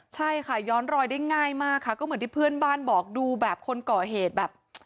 ใช่ค่ะย้อนรอยได้ง่ายมากค่ะก็เหมือนที่เพื่อนบ้านบอกดูแบบคนก่อเหตุแบบ